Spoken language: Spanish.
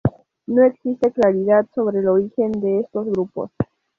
No existe claridad sobre el origen de estos grupos.